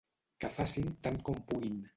Que facin tant com puguin.